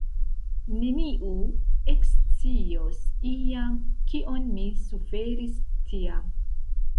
Neniu ekscios iam kion mi suferis tiam.